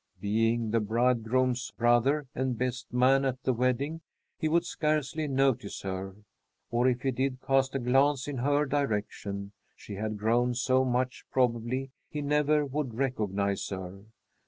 Being the bridegroom's brother and best man at the wedding, he would scarcely notice her. Or, if he did cast a glance in her direction, she had grown so much probably he never would recognize her.